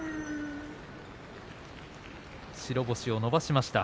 白星を伸ばしました。